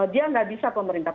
dia nggak bisa pemerintah